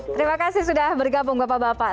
terima kasih sudah bergabung bapak bapak